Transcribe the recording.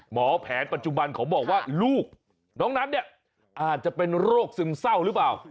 หมอแผนปัจจุบันเขาบอกว่าลูกน้องนัทเนี่ยอาจจะเป็นโรคซึมเศร้าหรือเปล่า